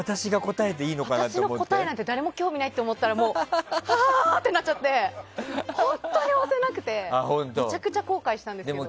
私の答えなんて誰も興味ないと思ったらもう、はあってなっちゃって本当に押せなくてめちゃくちゃ後悔したんですけど。